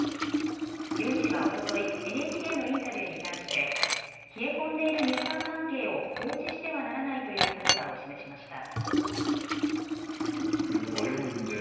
ユン氏はおとといＮＨＫのインタビューに対して冷え込んでいる日韓関係を放置してはならないという立場を示しました。